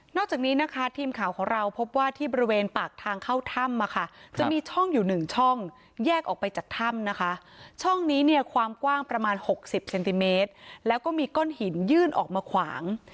จากนี้นะคะทีมข่าวของเราพบว่าที่บริเวณปากทางเข้าถ้ำจะมีช่องอยู่หนึ่งช่องแยกออกไปจากถ้ำนะคะช่องนี้เนี่ยความกว้างประมาณ๖๐เซนติเมตรแล้วก็มีก้อนหินยื่นออกมาขวาง